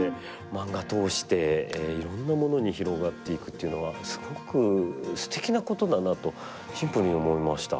マンガ通していろんなものに広がっていくっていうのはすごくすてきなことだなとシンプルに思いました。